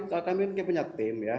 kami punya tim ya